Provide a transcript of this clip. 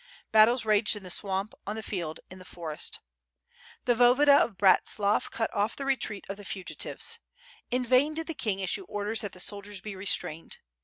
Battles raged in the swamp, on the field, in the forest. The Voyevoda of Bratslav cut off WITH FIRE AND SWORD. 821 the retreat of the fugitives. In vain did the king issue orders that the soldiers be restrained.